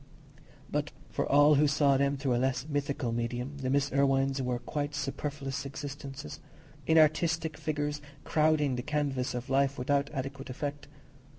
But for all who saw them through a less mythical medium, the Miss Irwines were quite superfluous existences—inartistic figures crowding the canvas of life without adequate effect.